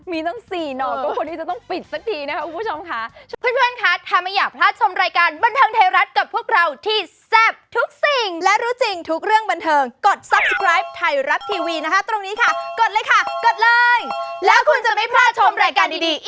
มีต้อง๔นอกว่าคนที่จะต้องปิดสักทีนะครับคุณผู้ชมค่ะ